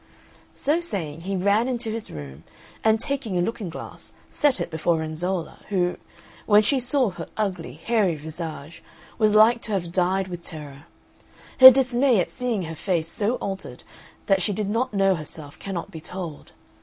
So saying, he ran into his room, and taking a looking glass, set it before Renzolla; who, when she saw her ugly, hairy visage, was like to have died with terror. Her dismay at seeing her face so altered that she did not know herself cannot be told.